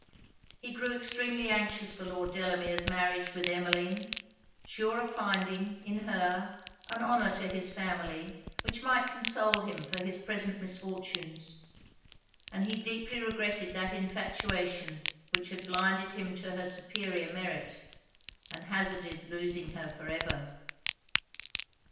He grew extremely anxious for Lord Delamere's marriage with Emmeline: sure of finding, in her, an honour to his family, which might console him for his present misfortunes: and he deeply regretted that infatuation which had blinded him to her superior merit, and hazarded losing her for ever.